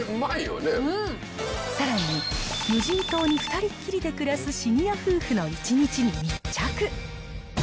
さらに、無人島に２人っきりで暮らすシニア夫婦の１日に密着。